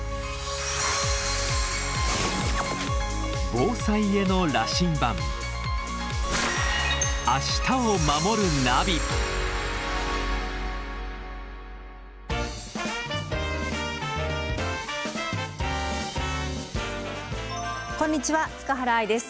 防災への羅針盤こんにちは塚原愛です。